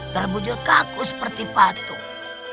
terbujur kaku seperti patung